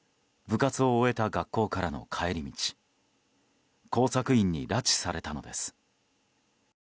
部活を終えた学校からの帰り道工作員に拉致されたのです。